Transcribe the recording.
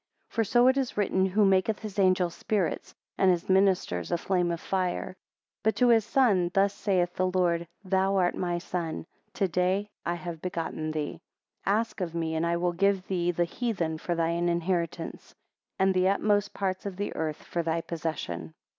19 For so it is written, who maketh his angels spirits, and his ministers a flame of fire: 20 But to his son, thus saith the Lord, Thou art my Son, to day have I begotten thee. 21 Ask of me and I will give thee the heathen for thy inheritance, and the utmost parts of the earth for thy possession.